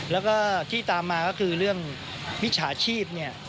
แล้วก็ที่ตามมาก็คือเรื่องมิจฉาชีพเนี่ย